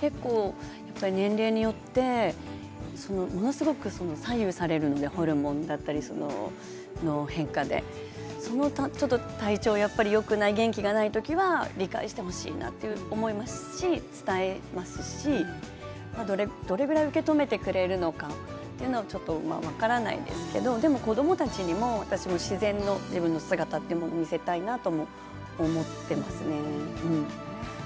結構やっぱり年齢によってものすごく左右されるのでホルモンの変化でちょっと体調がよくないとか元気がない時は理解してほしいなと思いますし伝えますし、どれぐらい受け止めてくれるのかというのはちょっと分からないですけどでも子どもたちにも私も自然な自分の姿を見せたいなと思っていますね。